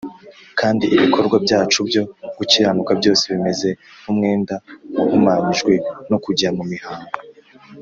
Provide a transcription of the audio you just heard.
Kandi ibikorwa byacu byo gukiranuka byose bimeze nk umwenda wahumanyijwe no kujya mu mihango